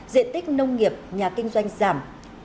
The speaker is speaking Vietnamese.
diện tích nông nghiệp nhà kinh doanh giảm